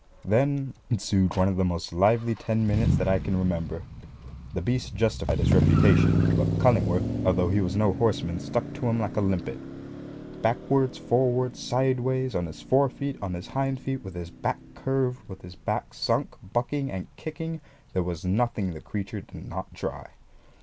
Then ensued one of the most lively ten minutes that I can remember. The beast justified his reputation; but Cullingworth, although he was no horseman, stuck to him like a limpet. Backwards, forwards, sideways, on his fore feet, on his hind feet, with his back curved, with his back sunk, bucking and kicking, there was nothing the creature did not try.